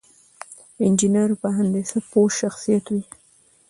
انجينر په هندسه پوه شخصيت وي.